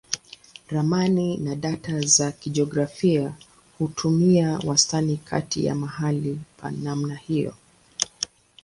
Ramani na data za kijiografia hutumia wastani kati ya mahali pa namna hiyo.